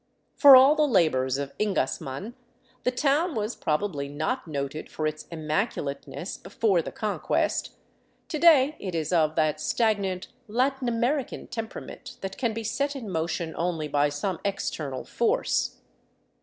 For all the labors of Ingasman, the town was probably not noted for its immaculateness before the Conquest; to day it is of that stagnant, Latin American temperament that can be set in motion only by some external force.